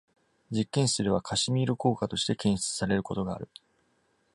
実験室では、カシミール効果として検出されることがある。